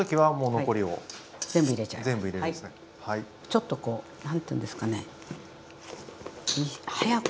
ちょっとこう何ていうんですかね早くやらないと。